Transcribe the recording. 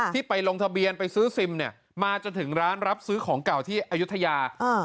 ที่ไปลงทะเบียนไปซื้อซิมเนี่ยมาจนถึงร้านรับซื้อของเก่าที่อายุทยา